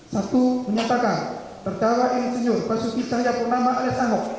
satu menyatakan berdawa insinyur pak suti sajakunama alias ahok